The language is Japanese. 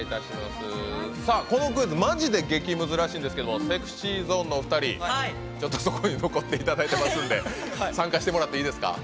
このクイズマジで激むずらしいんですけどＳｅｘｙＺｏｎｅのお二人ちょっとそこに残っていただいてますんで参加してもらっていいですか。